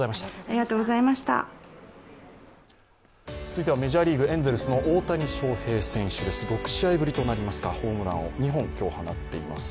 続いてはメジャーリーグ、エンゼルスの大谷翔平選手です、６試合ぶりとなりますか、ホームランを今日、２本打っています。